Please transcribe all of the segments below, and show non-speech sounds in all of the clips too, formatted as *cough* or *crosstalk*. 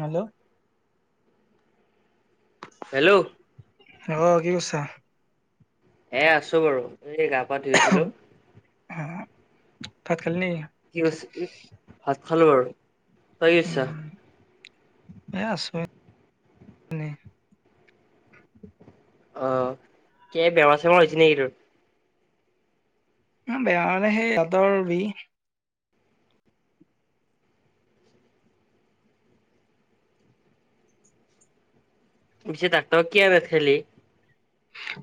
Hello hello অঁ কি কৰিছা? এ আছো বাৰু এই গা, পা ধুই উঠিলো। অ ভাত, খালি নি কি কৰিছে ই ভাত খালো বাৰু তই কি কৰিছা এই আছোঁ এনেই। অ কিবা বেমাৰ চেমাৰ হৈছে নেকি তোৰ? ন বেয়া মানে সেই দাতৰ বিষ। পিছে ডাক্টৰ কিয় নথলি।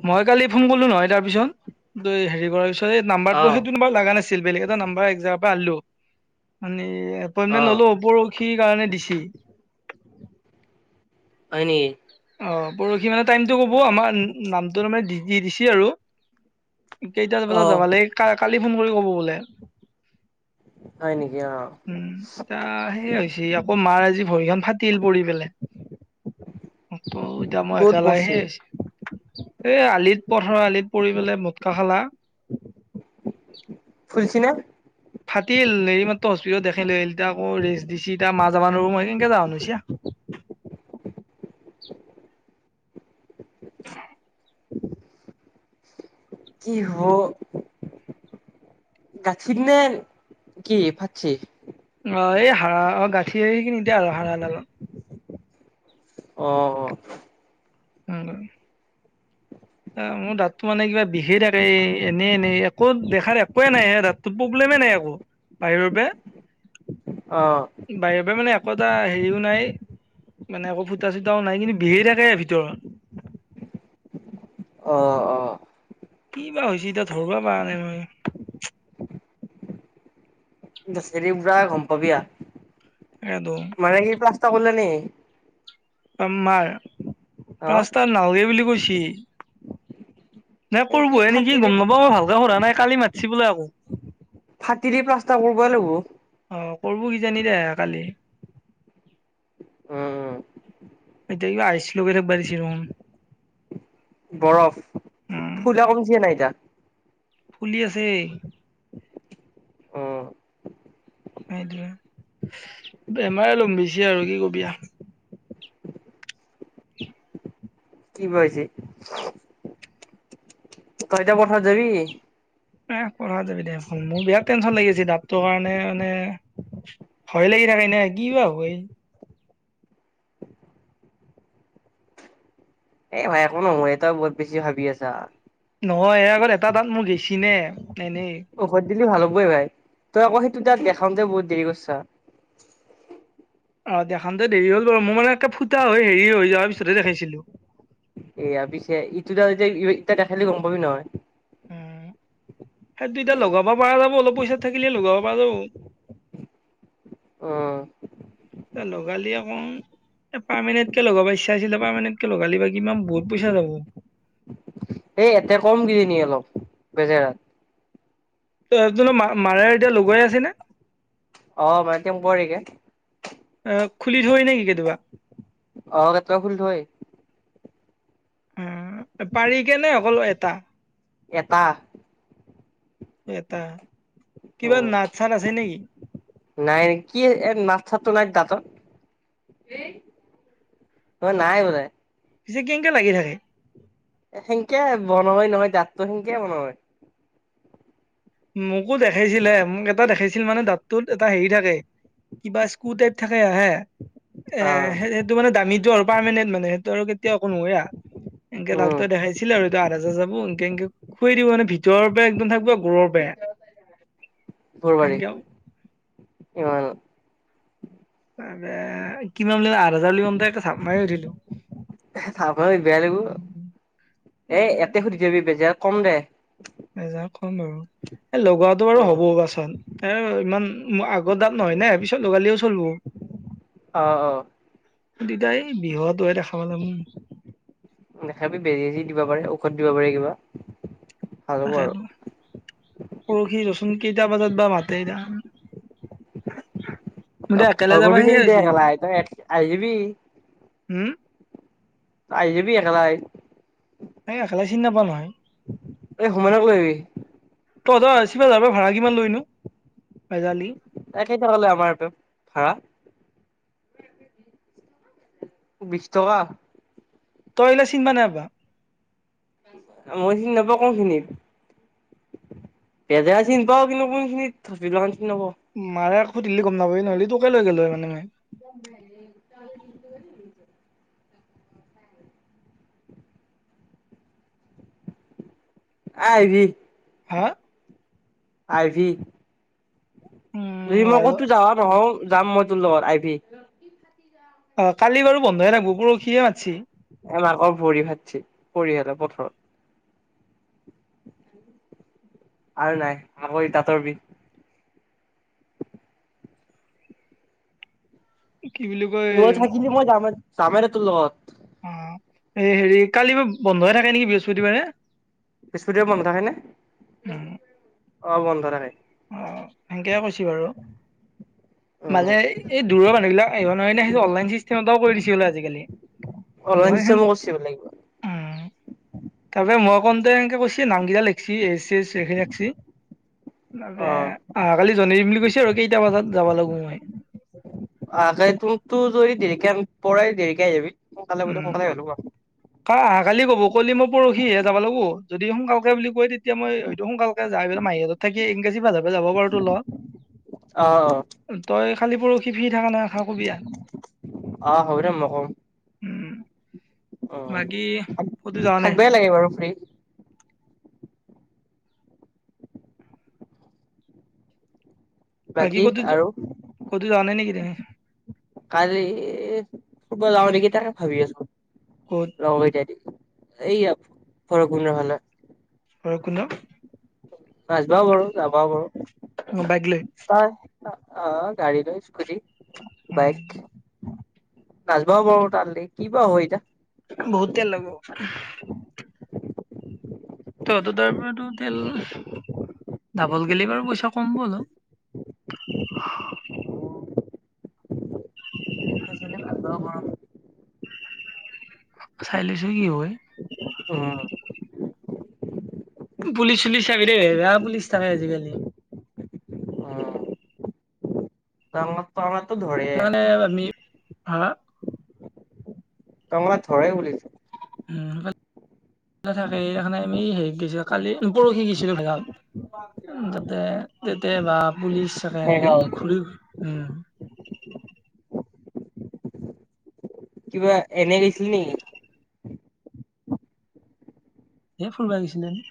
মই কালি ফোন কৰিলো নহয় তাৰ পিছত হেৰি কৰাৰ পিছত এই অ নাম্বাৰতটো সেইটো নম্বাৰ লগা নাছিল। বেলেগ এটা নাম্বাৰ এক জেগাপা আনিলো আনি এপ অ ইনমেন্ত ললো। পৰশীৰ কাৰণে দিছে। হয় নেকি। অ পৰহি মানে টাইমতটো কব আমাৰ নামটো তাৰানে দি দিছে আৰু কেইটা অ বজাত যাবা লাগ কালি ফোন কৰি ক'ব বোলে। উম হয় নেকি অ তা, আহ সেইয়ে হৈছে আকৌ মাৰ আজি ভৰিখন ফাটিল পৰি পেলাই। অ তৌ এতিয়া মই ক'ত একেলাহে পৰছি আছে। এই আলিত পথাৰ আলিত পৰি পেলাই মটকা খালা। ফুলিচে নে। *inaudible* ফাটিল হেৰি মাত্ৰ হস্পিটত দেখাই লৈ আহিলতি আকৌ ৰেষ্ট দিছিতি মা যাব নোৱাৰো মই সেই কাৰনে যাব *unintelligible* কি হব। গাথিত নে কি ফাটছে, অ এই হাড়া অ গাঁঠি এই খিনিতে এতিয়া আৰু হাড় ডালত। অ, *unintelligible* অ' মোৰ দাঁতটো মানে কিবা বিষেই থাকে। এই এনেই এনেই একো দেখাৰ একোৱে নাই হে দাত, একো প্ৰব্লেমে নাই একো বাহিৰ পৰা, অ, বাৰে বাৰে মানে একো এটা হেৰিও নাই। মানে একো ফুটা চুটাও নাই কিন্তু বিষাই থাকে ভিতৰত। অ, কি বা হৈছে এতিয়া ধৰবা পৰা নাই মই। চেৰি বুঢ়া গম পাবি ইয়া। হেল্ল, মানে কি পিলাস্তা কৰিলে নেকি। আমাৰ অ ৰাস্তা নাালগে বুলি কৈছে। নাই এ কি কৰবহে নেকি ফাটিলি গম নাপা মই ভালকে সুধৰা নাই কালি মাতিছিল বোলে আকৌ, ফাটি দি প্ৰস্তাৰ কৰিবই লাগিব। অ কৰব কিজানি দে কালি। উম উম এতিয়া কিবা আইচ লে থাকিব বাঢ়িছে দেখোন। বৰফ উম ফুলা কমিচে নাই এতিয়া। ফুলি আছে। উম সেইটোয়ে বেমাৰে লম্ভিছে আৰু কি কবিয়াও, কি পাইছে। কইটা পঠত যাবি। প্ৰ পঢ়া যাবি দে মোৰ বিৰাট টেনচন লাগি আছে দাঁতটো কাৰণে মানে। ভয় লাগি থাকে নে কিবা হয়। এই ভাই একো নহয় এটাও বহুত বেছি ভাবি আছা। নহয় এই আগত এটা দাত মোৰ গেছিলে নে এনেই, ঔষধ দিলে ভাল হ'বে ভাই তই আকৌ হেটো তাত দেখাওতে বহুত দেৰি কৰিছা। অ দেখাওতে দেৰি হ'ল বাৰু মই মানে একে ফুটা হৈ হেৰি হৈ যোৱাৰ পিছতে দেখাইছিলো। এয়া পিছে ইটো ই এ খালি গম পাবি নহয়। সেই দুইটা লগাব পৰা যাব অলপ পইচা থাকিলে লগাব পৰা যাব। অঁ, এ, লগালিয়ে অকণ। এ, পাৰ্মেনেন্ট কে লগাব ইচ্ছা আছিলে। পাৰ্মেনেণ্ট কে লগালে বা কিমান বহুত পইচা যাব। এই, এতে কম কিনি নিয়ে অলপ বেজেৰাত। তোৰ, তোৰ ত' মাৰাৰ এতিয়া, লগুৱাই আছেনে? *inaudible* অ মানে টেম্পৰাৰীকে আঁ খুলি থয় নেকি কেতিয়াবা? অ'! কেতিয়াবা খুলি থয়। অ'! পাৰি কেনে অকল, এটা। এটা। এটা, কিবা উম নাত-চাত আছে নেকি? নাই, কি এই, এ, নাত-চাতটো নাই দাঁতত। তই নাই বোলে। পিছে, কেনেকে লাগি থাকে? সেনকে, বন্ধ নহয়, নহয় দাঁতটো, সেনকে বন্ধ হয়। মোকো দেখাইছিলে, মোক এটা দেখাইছিল মানে, দাঁতটোত এটা হেৰি থাকে। কিবা, স্কু টাইপ থাকে আহে। এ, অ সেইটো মানে, দামীটো আৰু পাৰ্মেনেণ্ট মানে, সেইটো আৰু কেতিয়াও একো নহয়, আও। এনকে উম ডাক্তৰে দেখাইছিলে আৰু এইটো *unintelligible* এনকে, এনকে খুৱাই দিব মানে, ভিতৰ পৰা একদম থাকিব আৰু *unintelligible* বে, ঘৰবাৰী। কিমান? *unintelligible* কিমান বুলি কয়? আঠ হাজাৰ বুলি গম পায়, জাপ মাৰি উঠিলোঁ। *unintelligible* বেয়া লাগিব। এ, এয়াতে সুধি থবি, বেজাৰত কম দে। এজাৰ কম বাৰু। এ, লগোৱাটো বাৰু অ হ'ব বাচোন। এ, ইমান আগৰ দাত নহয় না, পিছত লগালেও চলিব। অ' অ'! দেতাই, বিহুতোহে দেখা পালোঁ, আমি। তথাপি, বেজি দি দিব পাৰে, ঔষধ দিব পাৰে কিবা। ভাল হ'ব আৰু তাকেইতো। পৰহি ৰ'চোন, কেইটা বজাত বা মাতে এতিয়া। মোৰ এতিয়া একেলে যাবা *unintelligible* সেয়ে তই হৈছে। আহি যিবি। উম! আহি যাবি একেবাৰে। এই, খালে চিনি নাপাওঁ নহয়। এই, হোমেনক লৈ আহিবি? তহঁতৰ, *unintelligible* পৰা ভাড়া কিমান লৈনো? *unintelligible* একেইতো, ক'লে আমাৰ এইটো, ভাড়া। বিশ টকা। তই এনে, চিনিব নাই পৰা? মই চিনি নেপাওঁ, কোন খিনিত? *unintelligible* চিনি পাওঁ। কিন্তু, কোনখিনিত *unintelligible* চিনি নাপাওঁ। মাৰে আকৌ, দিলে গম নাপাব, নহ'লে। তোকে লৈ গ'লো, হয় মানে মই। *unintelligible* আহিবি? হা? আহিবি? যদি উম মই আৰু ক'তো যাৱা নহওঁ, যাম মই তোৰ লগত। আহিবি? অ কালি বাৰু বন্ধহে থাকিবো পৰহি মাতছি। এ মাকৰ ভৰি ভাগছি পৰি হেতৰ পথাৰত। আৰু নাই আবৈ দাঁতৰ বিষ। কি বুলি কয়? ৰৈ থাকিবি মই যামে, যামেৰে তোৰ লগত। অ এই হেৰি কালি বা বন্ধই থাকে নেকি বৃহস্পতিবাৰে। বৃহস্পতি বন্ধ থাকে নে উম অ বন্ধ থাকে। অ সেনেকে কৈছ বাৰু। উম মানে এই দূৰ মানুহবিলাক আহিব নোৱাৰিলে সেই অনলাইন চিষ্টেম এটাও কৰি দিছে বুলে আজিকালি। অলাইন মই সেন চাব কৈছে। বিচাৰিব লাগিব। তাৰ পৰা মই কনকতে এনেকে কৈছে নামকেইটা লিখিছ এচি- তাৰ অ অহা কালি জনাই দিম বুলি কৈছে আৰু কেইটা বজাত যাবা লাগো মই। আহা কালি তমতো যদি দেৰিকে পৰে দেৰিকে আহ যাবি সোনকালে গলি সোনকালে আহিব লাগিব। কাহ অহাকালি ক'ব ক'লি মই পৰহিহে যাব লাগো যদি সোনকালকে বুলি কয় তেতিয়া মই হয়েইটো সোনকাল- যাই পেলাই মাহিৰহঁত থাকি ইংৰাজী ভাৰ পৰা যাব পাৰো তো ল'ৰা। অঁ অঁ। তই খালি পৰহি ফ্ৰী থাকা নাই আশা কবিয়া? অ হবিদে মই কম। উম। অঁ বাকী ক'তো যোৱা নাই, থাকবাই লাগে বাৰু ফ্ৰী। বাকি বাকী ক'ত যো, আৰু ক'ত যোৱা নাই নেকি এতিয়া? কালি ফুৰিব যাওঁ নেকি তাকে ভাবি আছো। ক'ত ৰঙইটাই দি এইয়া ফৰ গুন ফালে। হয় কোননো। নাচবাও পাৰো যাবাও পাৰো। অ বাইক লৈ? অ অ গাড়ী লৈ স্কুটি উম, বাইক। নাচবাও পাৰো তাল কিবা হয় এতিয়া। বহুত তেল লাগব। তহঁতৰ তাৰ পৰাতো তেল, ডাবল গলে বাৰু পইচা কম হ'ব বাৰু অলপ। *unintelligible* খাই লৈছো কি হয়? উম। পুলিচ চুলিচ চাবি দেই বেয়া পুলিচ থাকে আজিকালি? টংলা টংলাতো ধৰে। সিমানে আমি হা। টংলাত ধৰেই পুলিছে। উম সেইফালে থাকে এইকাৰণে আমি হেৰি গছিলো কালি পৰহি গৈছিলো ভয়ত- তাতে তেতিয়াবা পুলিচ চাগে এই ভেগাঁও। ঘূৰি, উম। কিবা এনে গৈছিলি নেকি? এ ফুৰিবা গিছিল এনে।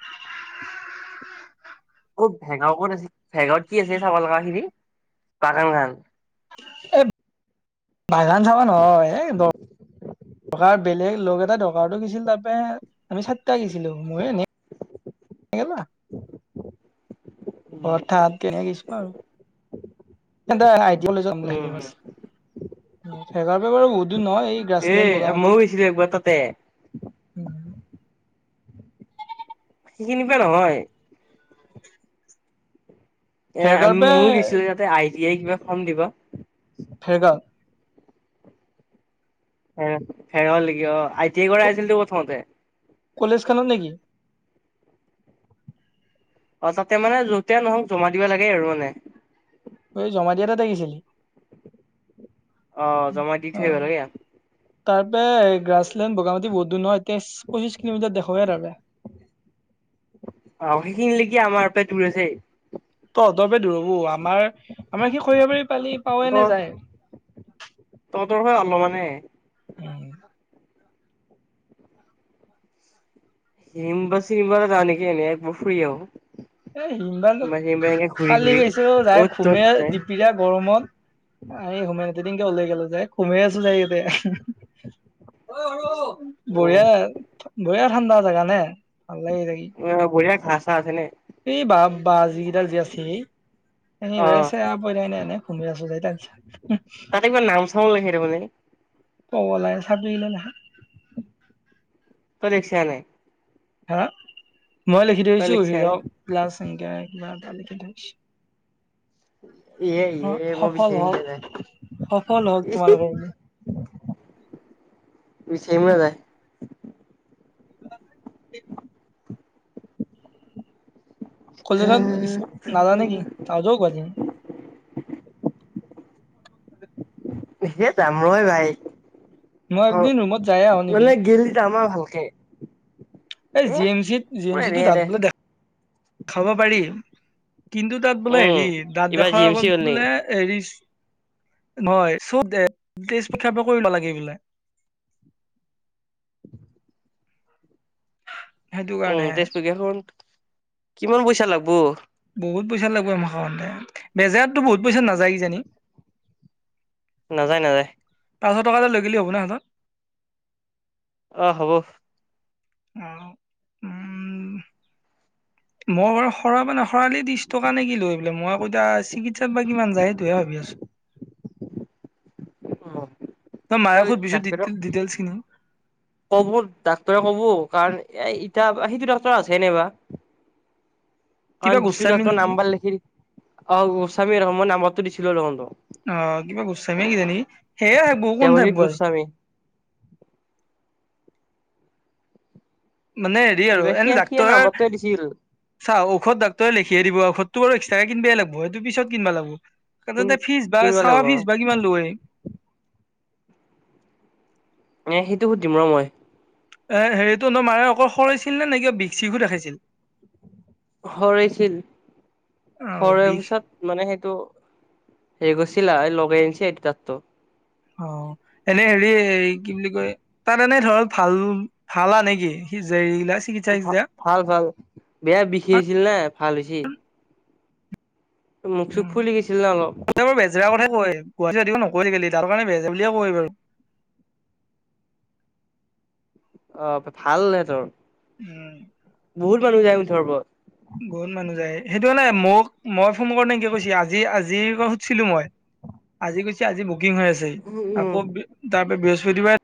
ক'ত ভেৰগাঁৱত ক'ত আছে ভেৰগাঁৱত কি আছে চাব লগা খিনি বাগান খান। এই বাগান চাবা নহয় এই দৰ- টকাৰ বেলেগ লগ এটা দৰকাৰো গিছিল তাৰাপে আমি চাৰিটা গছিলো ময়ে এনে- এ লৰা উম হঠাৎ কে গৈছো ন। সিহনতে কলেজত উম *unintelligible* সেইকাৰণেটো বাৰু বহুত দূৰ নহয় এই এ গ্ৰাছলেণ্ড মইও গৈছিলো একবাৰ তাতে। উম *unintelligible* সিখিনিৰ পা নহয়। এ ফেৰগাঁৱৰ আমি পৰা ময়ো দিছিলে তাতে আই টি আই কিবা ফৰ্ম দিব। ভেৰগাঁৱত। ফেৰ ফেৰ হ'ল নেকি অ আই টি আই কৰাই আছিলতো প্ৰথমতে। কলেজ খানত নেকি? অ তাতে মানে যতে নহওক জমা দিবা লাগে আৰু মানে। ঐ জমা দিয়া তাতে গিছে। অ জমাই দি থৈ অ আহিবা লাগে। তাৰ পে গ্ৰাছলেণ্ড বগামাটী বহুত নহয় তেইশ পঁচিশ কিলোমিটাৰ দেখুৱাৱে *unintelligible* অ সেইখিনিলেক কি আমাৰ পৰা দূৰ আছে। তহঁতৰপে দূৰ হব আমাৰ আমাৰ সি খৰিয় বাৰী পালি ত পাৱওে নে যায়। তহঁতৰ পাৰ আমাৰ মানে। হোম। হিম বা চিমিবা যাও নেকি মই ফুৰি আহো। এ হিমবা হিৰিম্বা চিৰিম্বা এনেকে ঘূৰি কালি ঘূৰি গৈছো যাই অ'ত ঘূমে। ত'ত যায় পৰা গৰমত আমি সোমাই তেদিনকে ওলাই গলো যাই সোমাই আছো যাই ইয়াতে। উম বঢ়িয়া বঢ়িয়া ঠাণ্ডা জোগা নে ভাল লাগে থাকি। অ বঢ়িয়া ঘাঁ চাহ আছে নে? এই বা বাহ যি কেইডাল যি আছে। সব অ আছেপ *unintelligible* থনে এনেই ঘুমি আছো য তাৰ পিছত। তাতে কিবা নাও, থ ল সেটো মানে। অব লাইন চাবদিলৈ নহা। তই লিকচা নাই। হা মই লিখি তই থৈছো লিখছা নাই হিৰক্লাচ সিংক কিবা এটা লিখি থৈছো। ইয়ে অ ইয়ে মই সফল বিচাৰিম হল দে যায় সফল হল তোমালোকৰ। বি চেইমে জাই। সেই কেইটা নাজানে কি নাজাও কেইদিন। সে যাম ৰ হে ভাই। মই ঘৰ একদিন ৰুমত যায়ে আহো নেকি মানে গেল আমাৰ ভালকে। এই এ জি এম চিত জি এম মোৰ চিটো এনে তাক দে বোলে দেখাব পাৰি। কিন্তু তাত বোলে উম হেৰি দাঁত এইবাৰ জি দেখাৰ এম চি হ'ল আগত নি বোলে। এৰি নহয় চব তেইছ পক্ষাৰ পৰা কৰিব নালাগে বোলে। সেইটো কাৰণে উম তেজপুৰ এখন কিমান পইচা লাগব। বহুত পইচা লাগিব এমাহতে বেজাৰতো বহুত পইচা নাযায় কিজানি? নাযায় নাযায়। পাঁচশ টকা এটা লৈ' গ'লে হ'ব না হাতত। অঁ, হ'ব। অঁ। মই বাৰু সৰা বা নসৰা খৰালি ত্ৰিছ টকা নে কিলো এই বোলে মই আকৌ এয়া চিকিৎসাত বা কিমান যায় সেইটোহে ভাবি আছো। অঁ। এ মায়ে যে দিছে ডিটেইলছ খিনি কব ডাক্তৰে কব কাৰণ এ এতিয়া সেইটো ডাক্তৰ আছে না নাই বা *inaudible* অ যিতো গোস্বামী ডক্টৰৰ নেকি নাম্বাৰ লিখি দিছিলো অ গোস্বামী ডক্টৰৰ নাম্বাৰটো দিছিলো অ কিবা গোস্বামীয়ে কিজানি সেয়ে বহু কোন দেৱজিত থাকব গোস্বামী মানে হেৰি আৰু কিবা সিয়ে এনে সিয়ে ডাক্তৰৰ নাম্বাৰটোৱে দিছিল চা ঔষধ ডাক্তৰে লিখিহে দিব ঔষধতো আৰু এক্সট্ৰাকে কিনবাই লাগ-ব সেইটো পিছত কিন-বাই লাগ-ব তাতে কিন এতিয়া ফিজ বা কিনিব চাৱা লাগিব অ ফিজ বা কিমান লয় এ সেইটো সুধিম ৰ মই এ হেৰিতটো নয় মায়ে অকল সৰইছিল নে নে বিষ চিকো দেখাইছিল সৰাইছিল অ' সৰৱাৰ বিষ পিছত মানে সেইটো হেৰি গৈছিলা লগাই আন-ছে এইটো তাতো অ এনে হেৰি এ কি বুলি কয় তাত মানে ধৰক ভাল ভালা নেকি সি যে ইগিলাত ভাল ভাল ভাল বেয়া বিষাইছিল না ভাল হৈছি মূখ চুক ফুলি গৈছিল না অলপ এ বাৰ বেজৰা কথা কয় গুৱাহাটীতেও নকৈ আজি কালি তাৰ কাৰণে বেজৰা বুলিয়ে কয় বাৰু অ ভালনে তোৰ উম বহুত মানুহ যায় মুঠৰওপৰত বহুত মানুহ যায় সেইটো কাৰানে মোক মই ফোন কৰতে এন-কে কৈছ আজি আজিৰ ক সুধিছিলো মই আজি কৈছে আজি বুকিং হৈ আছে উম আকৌ উম তাৰ পৰা বৃহস্পতিবাৰে